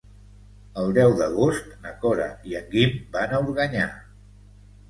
El deu d'agost na Cora i en Guim van a Organyà.